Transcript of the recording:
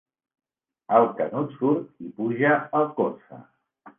El Canut surt i puja al Corsa.